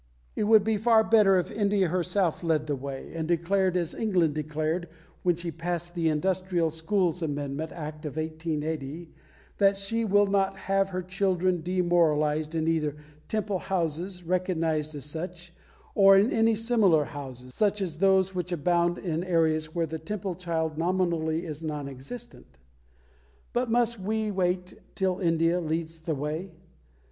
It would be far better if India herself led the way and declared, as England declared when she passed the Industrial Schools Amendment Act of 1880, that she will not have her little children demoralised in either Temple houses recognised as such, or in any similar houses, such as those which abound in areas where the Temple child nominally is non existent. But must we wait till India leads the way?